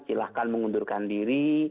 silahkan mengundurkan diri